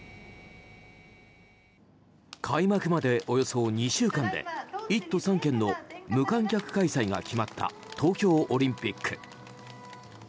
開幕までおよそ２週間で１都３県の無観客開催が決まった東京オリンピック。